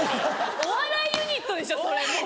お笑いユニットでしょそれもう。